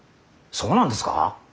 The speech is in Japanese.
そうなんですか。